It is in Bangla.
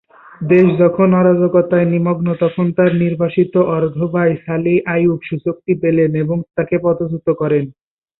দেশ যখন অরাজকতায় নিমগ্ন তখন তার নির্বাসিত অর্ধ ভাই, সালিহ আইয়ুব সুযোগটি পেলেন এবং তাকে পদচ্যুত করেন।